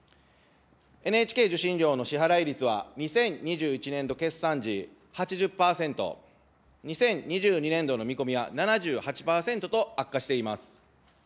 ＮＨＫ受信料の支払い率は２０２１年度決算時、８０％、２０２２年度の見込みは７８％と悪化しています。